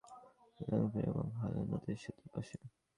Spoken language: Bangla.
লেক্সিংটন এবং হারলেম নদীর সেতুর পাশে।